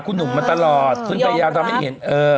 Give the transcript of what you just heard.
คุณหนุ่มมาตลอดซึ่งพยายามทำให้เห็นเออ